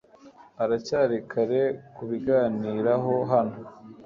haracyari kare kubiganiraho hano